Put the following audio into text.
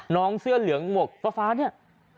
เสื้อเหลืองหมวกฟ้าเนี่ย